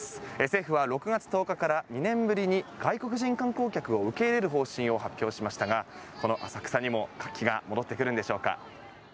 政府は６月１０日から２年ぶりに外国人観光客を受け入れる方針を発表しましたがこの浅草にも活気が戻ってくるんでしょうか。